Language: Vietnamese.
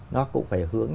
nó cũng phải hướng